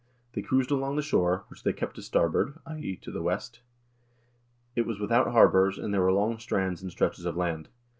They cruised along the shore, which they kept to starboard (i.e. to the west). It was without harbors, and there were long strands and stretches of sand.